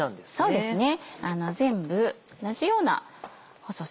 そうですね。